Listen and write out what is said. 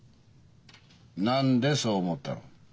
何でそう思ったの？